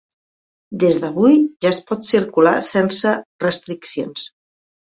Des d'avui ja es pot circular sense restriccions.